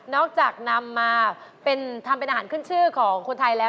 จากนำมาทำเป็นอาหารขึ้นชื่อของคนไทยแล้ว